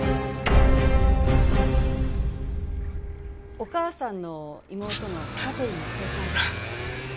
お義母さんの妹の香取夏江さんです。